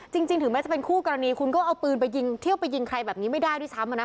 จริงถึงแม้จะเป็นคู่กรณีคุณก็เอาปืนไปยิงเที่ยวไปยิงใครแบบนี้ไม่ได้ด้วยซ้ำ